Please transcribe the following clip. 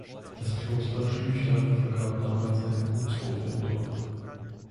Das Kloster Schlüchtern vergab damals einen Gutshof im Dorf.